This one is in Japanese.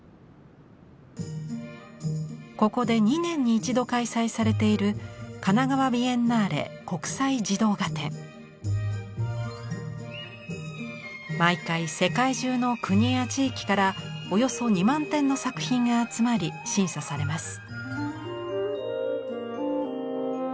ここで２年に一度開催されている毎回世界中の国や地域からおよそ２万点の作品が集まり審査されます。